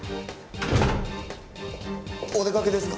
お出掛けですか？